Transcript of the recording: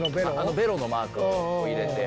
ベロのマークを入れて。